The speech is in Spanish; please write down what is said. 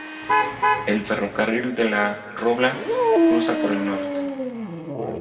El ferrocarril de La Robla cruza por el norte.